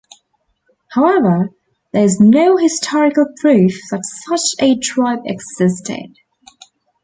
However, there is no historical proof that such a tribe existed.